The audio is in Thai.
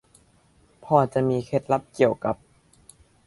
พอจะมีเคล็ดลับเกี่ยวกับ